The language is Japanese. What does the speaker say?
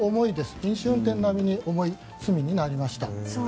飲酒運転並みに重い罪になりました。